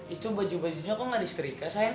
itu baju bajunya kok gak ada setrika sayang